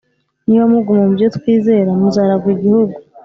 niba muguma mu byo twizera muzaragwa igihugu